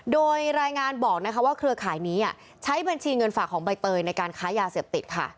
โดยรายงานบอกว่าเครือข่ายนี้ใช้บัญชีเงินฝากของใบเตยในการค้ายาเสพติดค่ะ